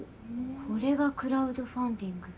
これがクラウドファンディング。